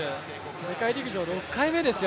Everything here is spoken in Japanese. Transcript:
世界陸上６回目ですよ。